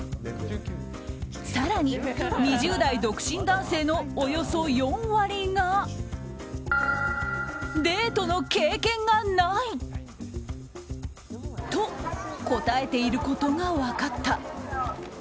更に、２０代独身男性のおよそ４割がデートの経験がない。と、答えていることが分かった。